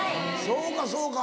そうかそうか。